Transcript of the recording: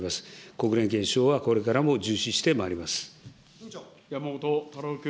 国連憲章はこれからも重視してま山本太郎君。